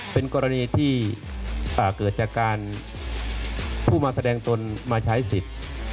เป็นกรณีที่เกิดจากการผู้มาแสดงตนมาใช้สิทธิ์